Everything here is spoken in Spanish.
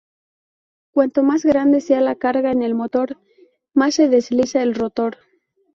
Cuanto más grande sea la carga en el motor, más se desliza el rotor.